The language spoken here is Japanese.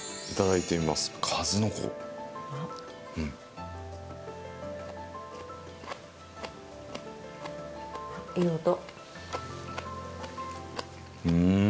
いい音。